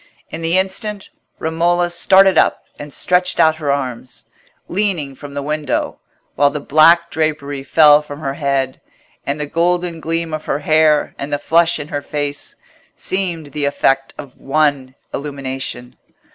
In the instant, Romola started up and stretched out her arms, leaning from the window, while the black drapery fell from her head, and the golden gleam of her hair and the flush in her face seemed the effect of one illumination.